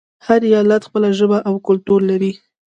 هر ایالت خپله ژبه او کلتور لري.